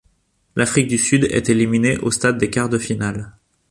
L'Afrique du Sud est éliminée aux stade des quarts de finale.